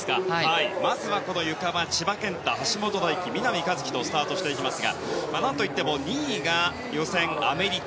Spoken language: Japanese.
まずは、ゆかは千葉健太、橋本大輝南一輝とスタートしていきますが何といっても２位は予選、アメリカ。